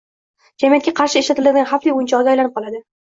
– jamiyatga qarshi ishlatiladigan xavfli o‘yinchog‘iga aylanib qoladi.